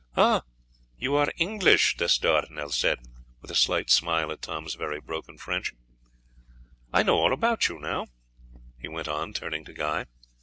"Ah, you are English!" D'Estournel said with a slight smile at Tom's very broken French. "I know all about you now," he went on, turning to Guy.